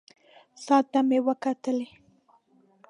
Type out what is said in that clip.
ساعت ته مې وکتلې.